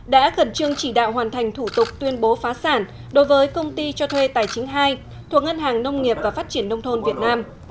đã gần chương chỉ đạo hoàn thành thủ tục tuyên bố phá sản đối với công ty cho thuê tài chính hai thuộc ngân hàng nông nghiệp và phát triển nông thôn việt nam